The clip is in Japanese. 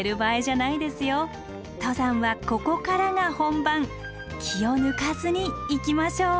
登山はここからが本番気を抜かずに行きましょう！